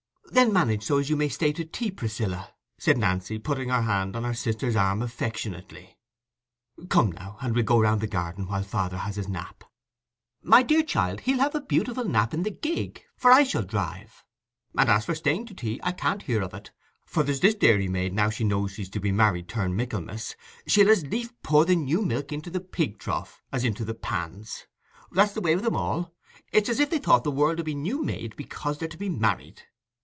"Then manage so as you may stay tea, Priscilla," said Nancy, putting her hand on her sister's arm affectionately. "Come now; and we'll go round the garden while father has his nap." "My dear child, he'll have a beautiful nap in the gig, for I shall drive. And as for staying tea, I can't hear of it; for there's this dairymaid, now she knows she's to be married, turned Michaelmas, she'd as lief pour the new milk into the pig trough as into the pans. That's the way with 'em all: it's as if they thought the world 'ud be new made because they're to be married.